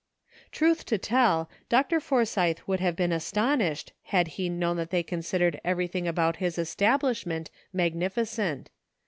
Truth to tell. Dr. Forsythe would have been 2:0 ENTERTAINING COMPANY. astonished had he known that they considered everything about his establishment magnificent.